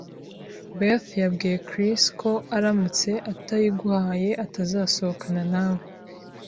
Beth yabwiye Chris ko aramutse atiyuhagiye, atazasohokana na we.